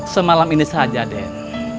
semalam ini saja den